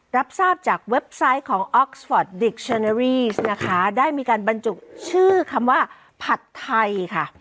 รับทราบจากเว็บไซต์ของนะคะได้มีการบรรจุชื่อคำว่าผัดไทยค่ะ